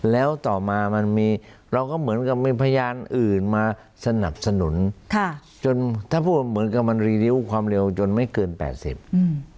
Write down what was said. แล้วต่อมามันมีเราก็เหมือนกับมีพยานอื่นมาสนับสนุนค่ะจนถ้าพูดเหมือนกับมันรีริ้วความเร็วจนไม่เกินแปดสิบอืม